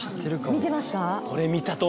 見てました？